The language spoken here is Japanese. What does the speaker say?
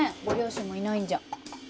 ご両親もいないんじゃ。